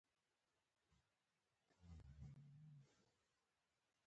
د لاینونو د تعداد ټاکل د ترافیک د حجم سره تړاو لري